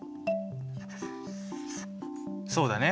そうだね。